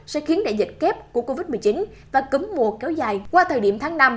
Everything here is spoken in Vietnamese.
sẽ khiến đại dịch kép của covid một mươi chín và cúm mùa kéo dài qua thời điểm tháng năm